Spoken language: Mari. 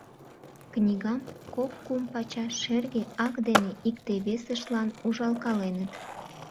Книгам кок-кум пачаш шерге ак дене икте-весыштлан ужалкаленыт